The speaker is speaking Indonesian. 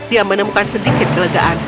dia menemukan sedikit kelegaan